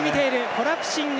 コラプシング。